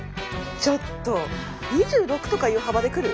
ちょっと２６とかいう幅で来る？